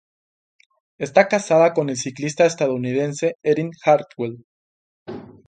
Está casada con el ciclista estadounidense Erin Hartwell.